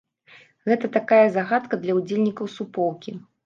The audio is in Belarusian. Гэта такая загадка для ўдзельнікаў суполкі.